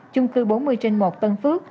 chung cư bốn mươi trên một tân phước